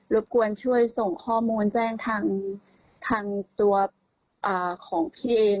บกวนช่วยส่งข้อมูลแจ้งทางตัวของพี่เอง